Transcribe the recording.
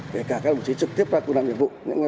kể cả các đồng chí trực tiếp qua cùng làm nhiệm vụ